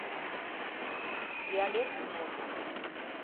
диалект мут